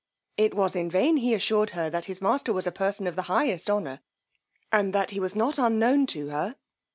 It was in vain he assured her that his master was a person of the highest honour, and that he was not unknown to her.